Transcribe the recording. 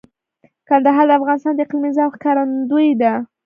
کندهار د افغانستان د اقلیمي نظام ښکارندوی ده.